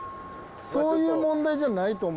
そういう問題じゃないと思うねん。